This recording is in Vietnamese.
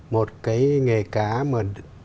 một cái nghề cá mà